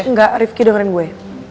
enggak rifki dengerin gue